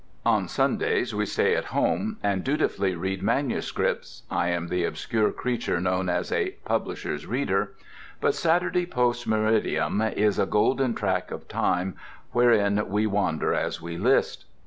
On Sundays we stay at home and dutifully read manuscripts (I am the obscure creature known as a "publisher's reader") but Saturday post meridiem is a golden tract of time wherein we wander as we list.